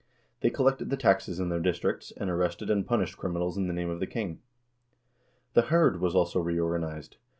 They collected the taxes in their districts, and arrested and punished criminals in the name of the king. The hird was also reorganized.